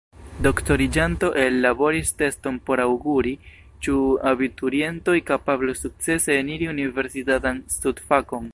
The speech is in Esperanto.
Doktoriĝanto ellaboris teston por aŭguri, ĉu abiturientoj kapablos sukcese eniri universitatan studfakon.